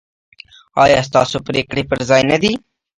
ایا ستاسو پریکړې پر ځای نه دي؟